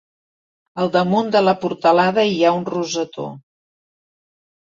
Al damunt de la portalada hi ha un rosetó.